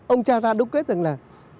ông cha ta đúc kết rằng là